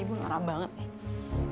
ibu marah banget nih